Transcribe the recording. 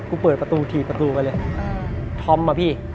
เปิดประตูถีบประตูไปเลยธอมอ่ะพี่